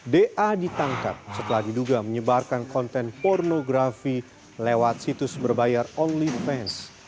da ditangkap setelah diduga menyebarkan konten pornografi lewat situs berbayar only fans